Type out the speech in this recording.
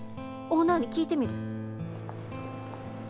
オーナーに聞いてみる。